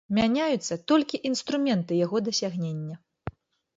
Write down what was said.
Мяняюцца толькі інструменты яго дасягнення.